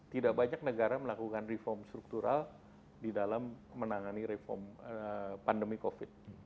tidak banyak negara melakukan reform struktural di dalam menangani pandemi covid